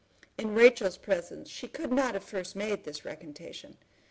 In Rachel's presence she could not have first made this recantation.